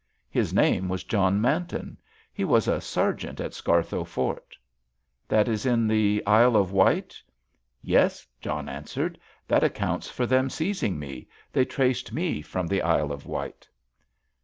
"His name was John Manton. He was a sergeant at Scarthoe Fort." "That is in the Isle of Wight?" "Yes," John answered; "that accounts for them seizing me—they traced me from the Isle of Wight."